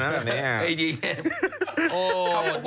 ปลาหมึกแท้เต่าทองอร่อยทั้งชนิดเส้นบดเต็มตัว